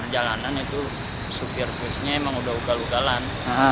jalanan itu supir busnya memang udah luka lukalan